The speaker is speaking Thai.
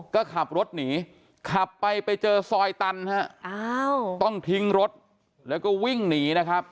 ก็ขับรถหนีขับไปไปเจอซอยตันฮะต้องทิ้งรถแล้วก็วิ่งหนีนะครับ